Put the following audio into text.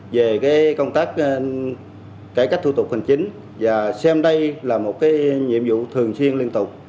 về công tác cải cách thủ tục hành chính và xem đây là một nhiệm vụ thường xuyên liên tục